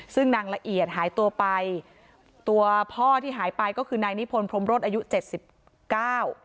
ซึ่งนางละเอียดหายตัวไปตัวพ่อที่หายไปก็คือนายนิพนธพรมรสอายุเจ็ดสิบเก้า